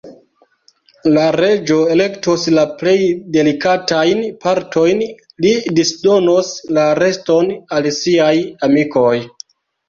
La Reĝo elektos la plej delikatajn partojn; li disdonos la reston al siaj amikoj.